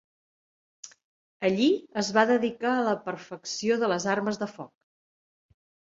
Allí es va dedicar a la perfecció de les armes de foc.